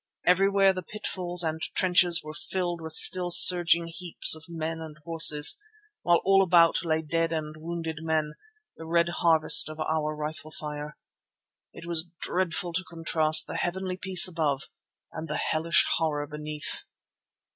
Everywhere the pitfalls and trenches were filled with still surging heaps of men and horses, while all about lay dead and wounded men, the red harvest of our rifle fire. It was dreadful to contrast the heavenly peace above and the hellish horror beneath.